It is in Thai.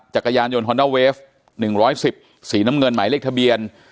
จักรยานยนต์ฮอนเดลเวฟหนึ่งร้อยสิบสีน้ำเงินหมายเลขทะเบียน